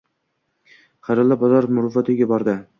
Xayrullo Bozorov “Muruvvat” uyiga bordi